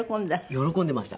喜んでいました。